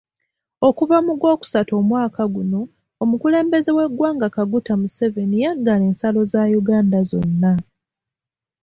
Okuva mu gwokusatu omwaka guno, omukulembeze w'eggwanga Kaguta Museveni yaggala ensalo za Uganda zonna.